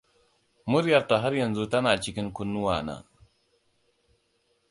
Muryarta har yanzu tana cikin kunnuwana.